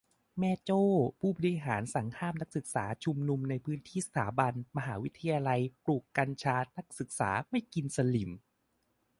- แม่โจ้ ผู้บริหารสั่งห้ามนักศึกษาชุมนุมในพื้นที่สถาบัน มหาวิทยาลัยปลูกกัญชานักศึกษาไม่กินสลิ่ม